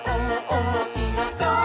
おもしろそう！」